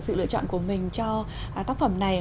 sự lựa chọn của mình cho tác phẩm này